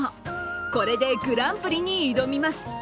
これでグランプリに挑みます。